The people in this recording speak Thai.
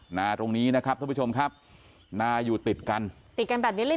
นาตรงนี้นะครับท่านผู้ชมครับนาอยู่ติดกันติดกันแบบนี้เลย